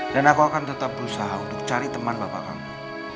dan aku akan tetap berusaha untuk cari teman bapak kamu